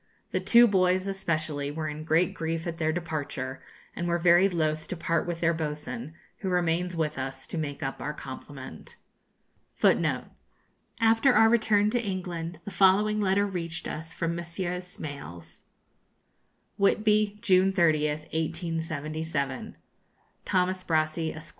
The two boys, especially, were in great grief at their departure, and were very loth to part with their boatswain, who remains with us to make up our complement. [Footnote 3: After our return to England the following letter reached us from Messrs. Smales: 'Whitby, June 30th, 1877. 'THOMAS BRASSEY, Esq.